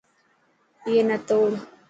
ائي نا توڙ.